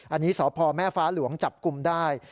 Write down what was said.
อันนี้สพแม่ฟ้าหลวงจับกลุ่มได้